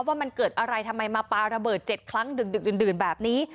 ว่ามันเกิดอะไรทำไมมาปลาระเบิด๗ครั้งดึกดื่นแบบนี้